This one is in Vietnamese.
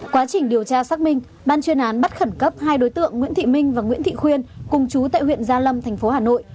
quá trình điều tra xác minh ban chuyên án bắt khẩn cấp hai đối tượng nguyễn thị minh và nguyễn thị khuyên cùng chú tại huyện gia lâm thành phố hà nội